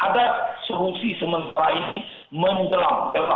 ada solusi sementara ini menjelang